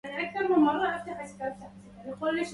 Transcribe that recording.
كنت أسعى إلى الندى أينما كان